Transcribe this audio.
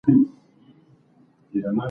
هم په اوړي هم په ژمي به ناورین وو